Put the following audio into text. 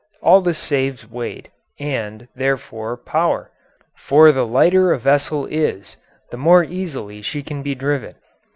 All this saves weight and, therefore, power, for the lighter a vessel is the more easily she can be driven.